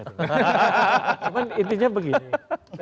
cuman intinya begini